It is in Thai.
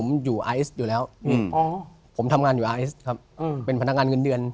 มาจากจังหวัดอะไรจังหวัด